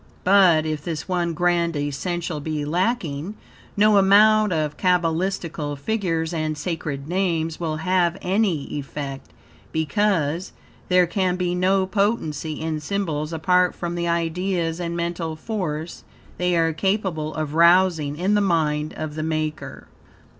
But, if this one grand essential be lacking, no amount of cabalistical figures and sacred names will have any effect, because, there can be no potency in symbols apart from the ideas and mental force they are capable of arousing in the mind of the maker.